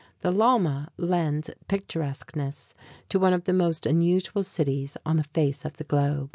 The llama lends picturesqueness to one of the most unusual cities on the face of the globe.